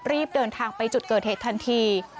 รีบเดินทางไปจุดเกิดเหตุทันที